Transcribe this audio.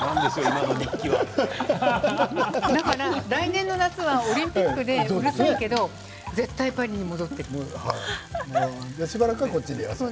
だから来年の夏はオリンピックでうるさいけどしばらくは、こっちで。